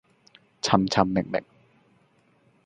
尋尋覓覓，